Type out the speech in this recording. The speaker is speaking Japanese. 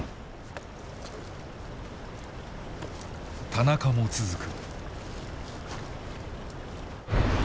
田中も続く。